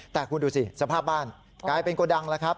แต่คุณดูสิสภาพบ้านกลายเป็นโกดังแล้วครับ